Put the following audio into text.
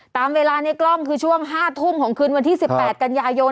ตามเวลาในกล้องคือช่วง๕ทุ่มของคืนวันที่๑๘กันยายน